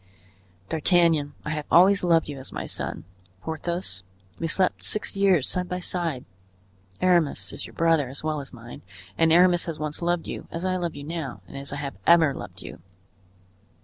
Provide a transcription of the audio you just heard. D'Artagnan, I have always loved you as my son; Porthos, we slept six years side by side; Aramis is your brother as well as mine, and Aramis has once loved you, as I love you now and as I have ever loved you.